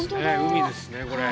海ですねこれ。